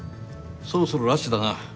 そろそろラッシュだな。